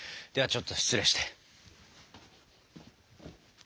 ではちょっと失礼して。